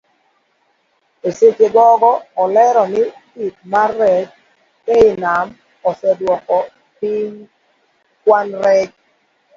Eseche ogogo olero ni pith mar rech ei nam oseduoko piny kwan rech.